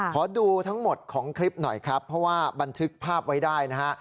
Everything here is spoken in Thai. ขอดูทั้งหมดของคลิปหน่อยครับเพราะว่าบันทึกภาพไว้ได้นะฮะ